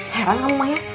heran emang ya